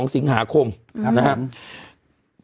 ๒สิงหาคมนะครับ